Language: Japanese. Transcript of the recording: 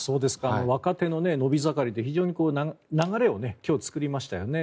若手の伸び盛りで非常に流れを今日、作りましたよね。